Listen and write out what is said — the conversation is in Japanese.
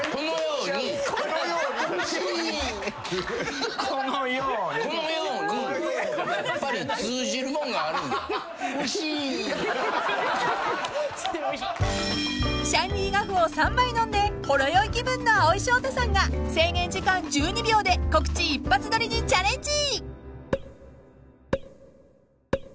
「うし」［シャンディガフを３杯飲んでほろ酔い気分の蒼井翔太さんが制限時間１２秒で告知一発撮りにチャレンジ］